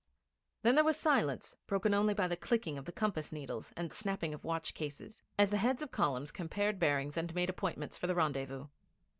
Then there was silence, broken only by the clicking of the compass needles and snapping of watch cases, as the heads of columns compared bearings and made appointments for the rendezvous.